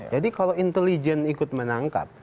jadi kalau intelijen ikut menangkap